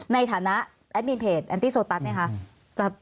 ในฐานะแอดมินเพจแอนตี้โซตัสไหมคะ